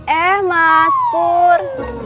eh mas pur